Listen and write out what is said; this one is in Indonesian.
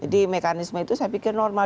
jadi mekanisme itu saya pikir normal